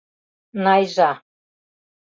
Найжа.